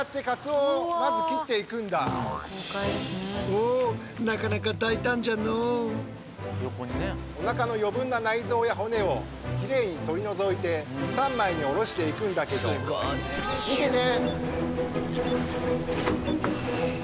そんな最高級のかつお節おなかの余分な内臓や骨をきれいに取り除いて３枚におろしていくんだけど見てて！